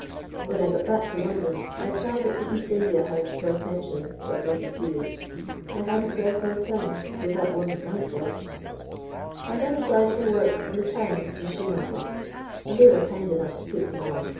When I got baek to London I applied at the East India Home for a pension, but was refused. I hadn't lervid my time, though that wasn't my feult. " I then applied for work in the Timet machine office, and they were kind enough to put me on.